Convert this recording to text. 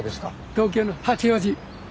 東京の八王子。